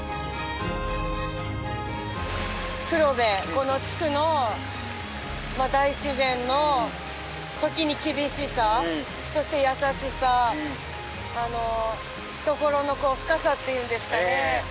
この地区の大自然の時に厳しさそして優しさ懐の深さっていうんですかね